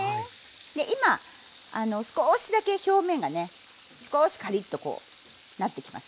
で今少しだけ表面がね少しカリッとこうなってきます